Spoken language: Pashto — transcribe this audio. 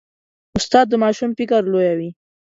استاد د ماشوم فکر لویوي.